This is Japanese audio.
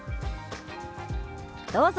どうぞ。